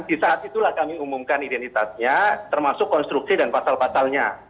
di saat itulah kami umumkan identitasnya termasuk konstruksi dan pasal pasalnya